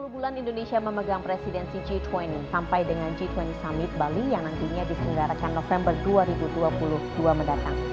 sepuluh bulan indonesia memegang presidensi g dua puluh sampai dengan g dua puluh summit bali yang nantinya diselenggarakan november dua ribu dua puluh dua mendatang